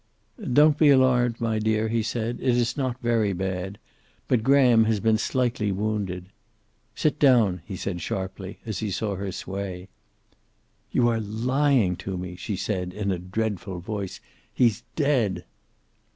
"Don't be alarmed, my dear," he said. "It is not very bad. But Graham has been slightly wounded. Sit down," he said sharply, as he saw her sway. "You are lying to me," she said in a dreadful voice. "He's dead!"